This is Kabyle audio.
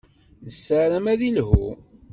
Nessaram ad iḥlu.